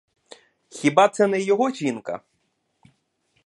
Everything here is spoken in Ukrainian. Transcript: Хіба це не його жінка?